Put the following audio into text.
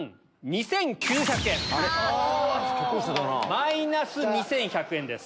マイナス２１００円です。